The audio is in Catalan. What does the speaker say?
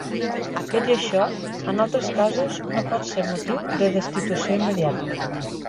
Tot i això, en altres casos no pot ser motiu de destitució immediata.